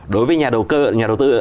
đối với nhà đầu cơ nhà đầu tư